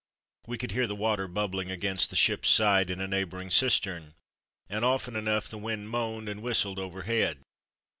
We could hear the water bubbling against the ship's side in a neighbouring cistern, and often enough the wind moaned and whistled over head.